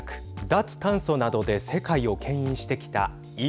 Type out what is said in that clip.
脱炭素などで世界をけん引してきたＥＵ。